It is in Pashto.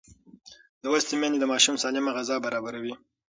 لوستې میندې د ماشوم سالمه غذا برابروي.